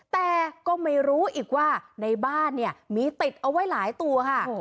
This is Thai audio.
แต่ก็ไม่รู้อีกว่าในบ้านเนี่ยมีติดเอาไว้หลายตัวค่ะ